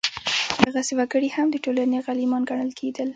دغسې وګړي هم د ټولنې غلیمان ګڼل کېدل.